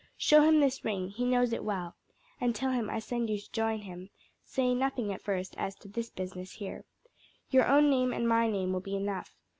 Show him this ring, he knows it well, and tell him I sent you to join him; say nothing at first as to this business here. Your own name and my name will be enough.